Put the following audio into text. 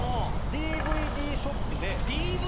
ＤＶＤショップで！？